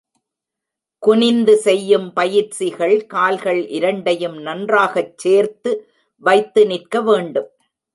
குனிந்து செய்யும் பயிற்சிகள் கால்கள் இரண்டையும் நன்றாகச் சேர்த்து வைத்து நிற்க வேண்டும்.